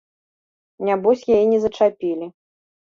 Нябось яе не зачапілі.